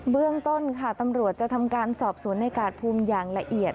เรื่องต้นค่ะตำรวจจะทำการสอบสวนในกาดภูมิอย่างละเอียด